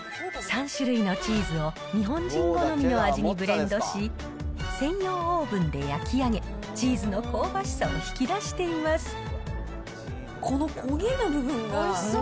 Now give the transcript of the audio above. ３種類のチーズを日本人好みの味にブレンドし、専用オーブンで焼き上げ、チーズの香ばしさを引き出しています。